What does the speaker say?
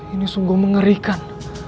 ini sungguh mengerikan